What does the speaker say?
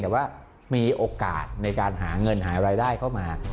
แต่ว่ามีโอกาสในการหาเงินหารายได้เข้ามา